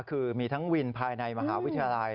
คือมีทั้งวินภายในมหาวิทยาลัย